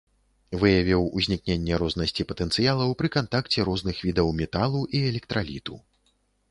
Выявіў узнікненне рознасці патэнцыялаў пры кантакце розных відаў металу і электраліту.